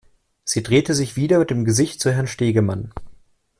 Sie drehte sich wieder mit dem Gesicht zu Herrn Stegemann.